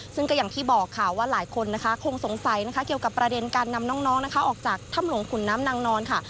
ซึ่งก็อย่างที่บอกค่ะว่าหลายคนนะคะคงสงสัยนะคะเกี่ยวกับประเด็นการนำน้องนะคะออกจากถ้ำหลวงขุนน้ำนางนอนค่ะ